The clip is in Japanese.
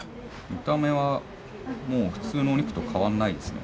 見た目はもう普通のお肉と変わらないですね。